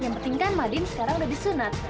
yang penting kan madin sekarang udah disunat